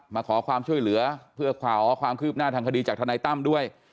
มาขอความช่วยเหลือเพื่อขอความคืบหน้าทางคดีจากทนายตั้มด้วย